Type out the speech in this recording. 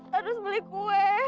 terus beli kue